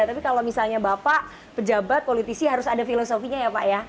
tapi kalau misalnya bapak pejabat politisi harus ada filosofinya ya pak ya